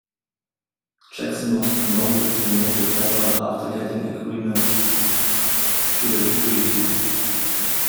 Jackson was promoted to Major General after getting agreement to the treaty.